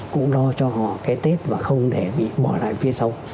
cũng lo cho họ cái tết và không để bị bỏ lại phía sau